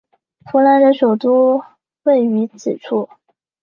扶南的首都位于此处。